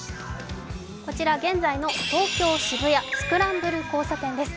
こちら現在の東京・渋谷スクランブル交差点です。